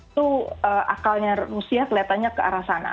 itu akalnya rusia kelihatannya ke arah sana